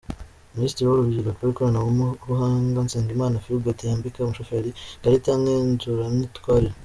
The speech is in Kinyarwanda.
Minisitiri w’Urubyiruko n’Ikoranabuhanga, Nsengimana Philbert yambika umushoferi ikarita ngenzuramyitwarire.